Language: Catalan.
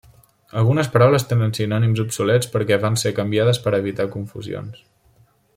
Algunes paraules tenen sinònims obsolets perquè van ser canviades per a evitar confusions.